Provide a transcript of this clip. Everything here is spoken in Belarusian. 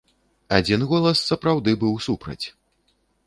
Адзін голас, сапраўды, быў супраць.